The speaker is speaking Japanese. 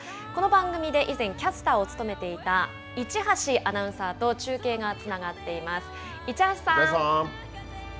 この番組で以前キャスターを務めていた一橋アナウンサーと中継がつながっています。